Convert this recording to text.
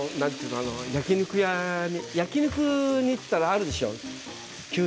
焼き肉屋で焼き肉に行ったらあるでしょう？